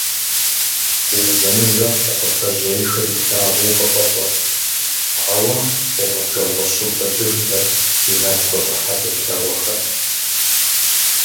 Зэзэмызэ кхъуафэжьейхэр илъагъуу къыфӏэщӏырт, ауэ гъуабжэгъуэщу кӏуэдыжхэрт и нэгу къыщӏыхьэ теплъэгъуэхэр.